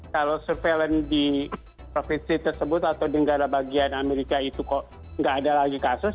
kalau surveillance di provinsi tersebut atau di negara bagian amerika itu kok nggak ada lagi kasus